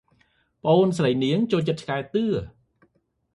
ប្អូនស្រីនាង ចូលចិត្ត ឆ្កែតឿ ។